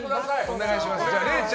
お願いします。